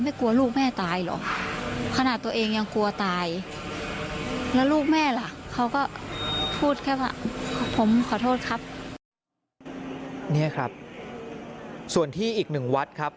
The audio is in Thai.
มันไม่ทันแล้วเขาก็กลัวตาย